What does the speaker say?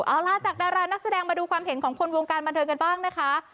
เอาล่ะจากดารานักแสดงมาดูความเห็นของคนวงการบันเทิงกันบ้างนะคะ